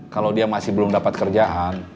kalau dia masih belum dapat kerjaan